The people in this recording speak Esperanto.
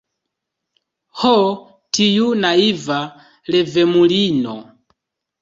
Ho, tiu naiva revemulino!